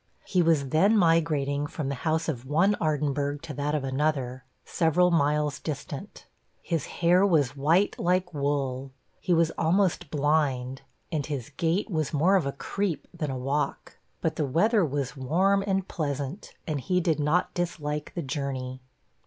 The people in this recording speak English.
He was then migrating from the house of one Ardinburgh to that of another, several miles distant. His hair was white like wool he was almost blind and his gait was more a creep than a walk but the weather was warm and pleasant, and he did not dislike the journey.